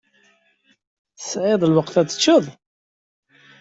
Tesɛiḍ lweqt ad teččeḍ?